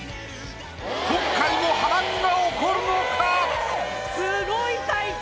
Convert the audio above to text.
今回も波乱が起こるのか⁉すごい大会！